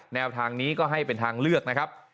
แนวทางนี้ก็ให้เป็นทางเลือกนะครับ